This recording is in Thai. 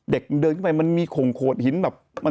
เด็กเดินขึ้นไปมันมีข่งโขดหินแบบ